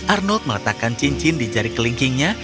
arnold meletakkan cincin di jari kelingkingnya